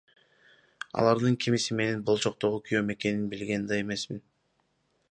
Алардын кимиси менин болочокогу күйөөм экенин билген да эмесмин.